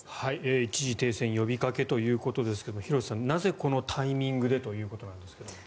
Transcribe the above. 一時停戦呼びかけということですが廣瀬さん、なぜこのタイミングでということなんですが。